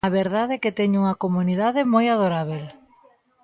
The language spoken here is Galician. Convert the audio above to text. A verdade é que teño unha comunidade moi adorábel.